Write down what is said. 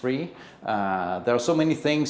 jika anda baru saja memiliki anak